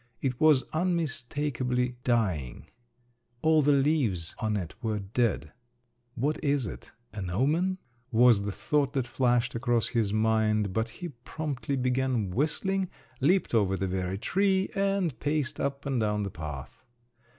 It was unmistakably dying … all the leaves on it were dead. "What is it? an omen?" was the thought that flashed across his mind; but he promptly began whistling, leaped over the very tree, and paced up and down the path.